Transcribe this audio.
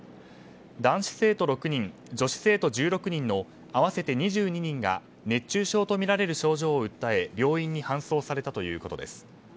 男子生徒６人、女子生徒１６人の合わせて２２人が熱中症とみられる症状を訴え病院に搬送されたということです。